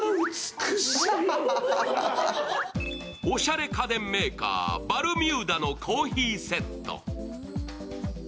おしゃれ家電メーカー、バルミューダのコーヒーセット。